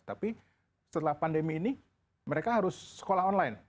tapi setelah pandemi ini mereka harus sekolah online